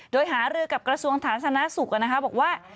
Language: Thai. โดยหารือกับกระทรวงฐานสนาสุขนะครับบอกว่า